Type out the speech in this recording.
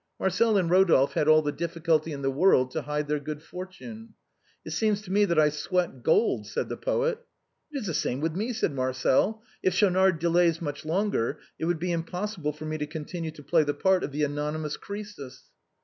Marcel and Eodolphe had all the difficulty in the world to hide their good fortune. " It seems to me that I sweat gold," said the poet. " It is the same with me," said Marcel. " If Schaunard delays much longer, it would be impossible for me to con tinue to play the part of an anonymous Crœsus."